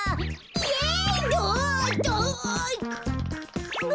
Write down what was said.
イエイ！